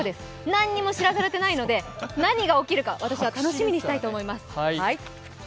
何も知らされていないので何が起きるか楽しみにしたいと思います。